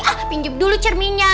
ah pinjem dulu cerminnya